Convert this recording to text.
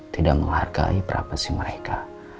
tidak menghargai berapa sih mereka